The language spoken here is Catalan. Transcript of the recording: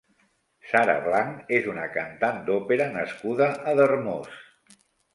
Sara Blanch és una cantant d'ópera nascuda a Darmós.